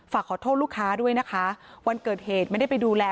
ฝากขอโทษลูกค้าด้วยนะคะวันเกิดเหตุไม่ได้ไปดูแล